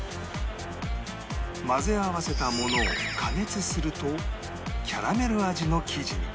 混ぜ合わせたものを加熱するとキャラメル味の生地に